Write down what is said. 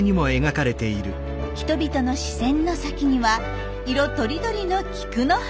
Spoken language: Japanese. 人々の視線の先には色とりどりの菊の花。